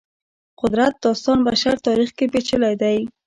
قدرت داستان بشر تاریخ کې پېچلي دی.